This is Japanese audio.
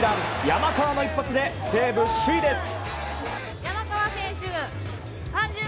山川の一発で西武、首位です。